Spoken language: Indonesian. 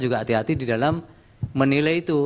jadi kita harus hati hati di dalam menilai itu